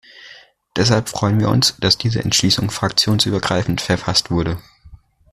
Deshalb freuen wir uns, dass diese Entschließung fraktionsübergreifend verfasst wurde.